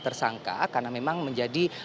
tersangka karena memang menjadi